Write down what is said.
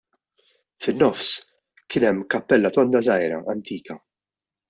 Fin-nofs kien hemm kappella tonda żgħira, antika.